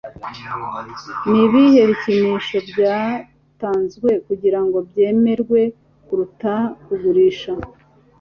Nibihe bikinisho bya "byatanzwe kugirango byemerwe" kuruta kugurisha?